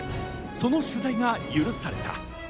その取材が許された。